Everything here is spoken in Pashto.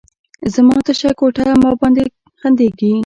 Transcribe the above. زما تشه کوټه، ما باندې خندیږې